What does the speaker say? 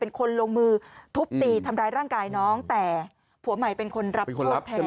เป็นคนลงมือทุบตีทำร้ายร่างกายน้องแต่ผัวใหม่เป็นคนรับโทษแทน